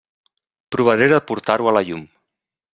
Provaré de portar-ho a la llum.